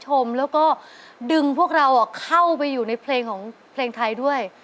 ชมแล้วก็ดึงพวกเราเข้าไปอยู่ในเพลงของเพลงไทยด้วย